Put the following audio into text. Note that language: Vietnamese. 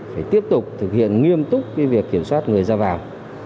phải tiếp tục thực hiện nghiêm túc việc kiểm soát người ra vào